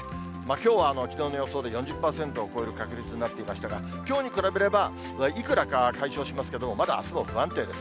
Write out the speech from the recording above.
きょうはきのうの予想で４０％を超える確率になっていましたが、きょうに比べれば、いくらか解消しますけれども、まだあすも不安定です。